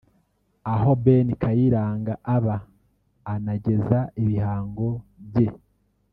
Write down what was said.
aho Ben Kayiranga aba anageza ibihango bye